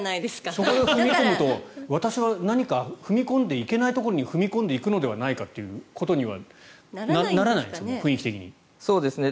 そこに踏み込むと私は何か踏み込んではいけないところに踏み込んでいくのではないかと雰囲気的にならないんですかね。